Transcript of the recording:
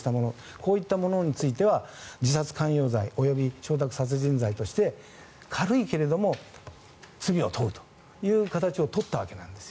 こういった者については自殺関与罪及び嘱託殺人罪として軽いけれども罪を問うという形を取ったわけです。